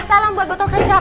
salam buat potok kecap